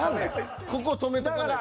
ここを止めとかないと。